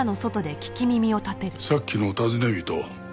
さっきの尋ね人。